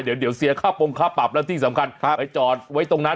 เดี๋ยวเสียค่าปงค่าปรับแล้วที่สำคัญไปจอดไว้ตรงนั้น